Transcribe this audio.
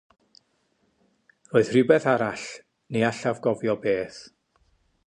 Roedd rhywbeth arall — ni allaf gofio beth.